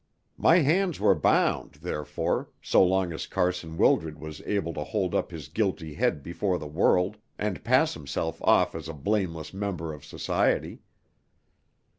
My hands were bound, therefore, so long as Carson Wildred was able to hold up his guilty head before the world, and pass himself off as a blameless member of society.